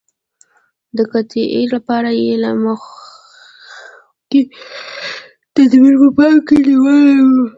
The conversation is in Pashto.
د قحطۍ لپاره یې له مخکې تدابیر په پام کې نیولي وو.